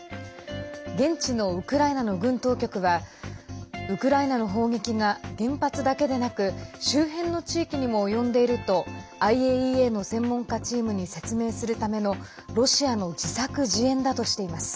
現地のウクライナの軍当局はウクライナの砲撃が原発だけでなく周辺の地域にも及んでいるとＩＡＥＡの専門家チームに説明するためのロシアの自作自演だとしています。